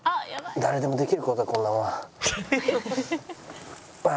誰でもできる事だこんなもん。